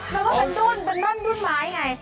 มันก็เป็นรุ่นเป็นรุ่นรุ่นไม้ไง